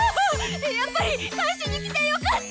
やっぱり返しに来てよかった！